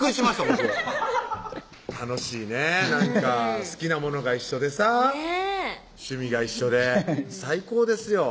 僕楽しいねなんか好きなものが一緒でさ趣味が一緒で最高ですよ